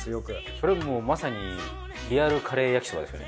それはもうまさにリアルカレー焼きそばですよね。